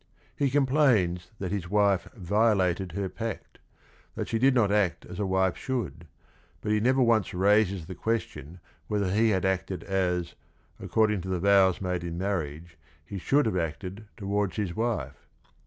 He complains that his wife "violated her pact," that she did not act as a wife should, but he never once raises the question whether he had acted as, according to his vows made in marriage, he should have acted towards his wife.